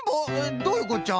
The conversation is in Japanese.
どういうこっちゃ？